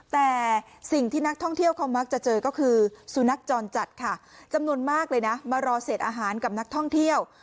แต่สิ่งที่นักท่องเที่ยวเขามักจะเจอก็คือสุนัขจรจัดค่ะจำนวนมากเลยนะมารอเศษอาหารกับนักท่องเที่ยว